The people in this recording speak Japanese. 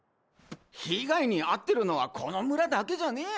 被害に遭ってるのはこの村だけじゃねえ！